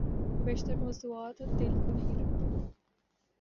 اب بیشتر موضوعات دل کو نہیں لگتے۔